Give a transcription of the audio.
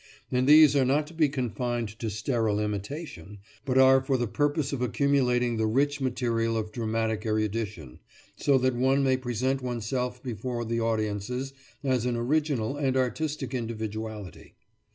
And these are not to be confined to sterile imitation, but are for the purpose of accumulating the rich material of dramatic erudition, so that one may present oneself before the audiences as an original and artistic individuality.